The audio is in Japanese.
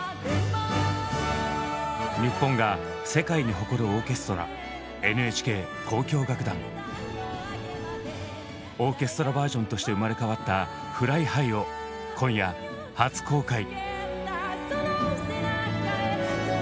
日本が世界に誇るオーケストラオーケストラバージョンとして生まれ変わった「ＦｌｙＨｉｇｈ」を今夜初公開。